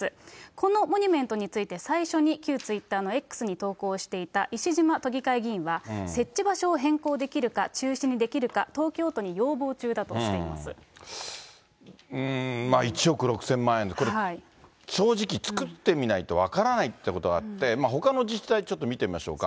このモニュメントについて、最初に旧ツイッターのＸに投稿していた石島都議会議員は、設置場所を変更できるか、中止にできるか、１億６０００万円で、これ正直、作ってみないと分からないってことあって、ほかの自治体、ちょっと見てみましょうか。